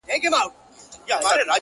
ما په سترګو خر لیدلی پر منبر دی٫